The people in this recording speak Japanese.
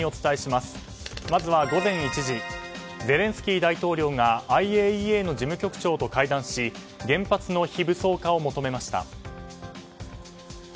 まずは午前１時ゼレンスキー大統領がＩＡＥＡの事務局長と会談し原発の非武装化を求めました。